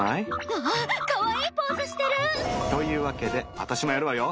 うわかわいいポーズしてる！というわけでアタシもやるわよ。